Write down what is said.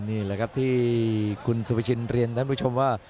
นี่แหละครับที่คุณสุภาชินเรียนท่านผู้ชมว่า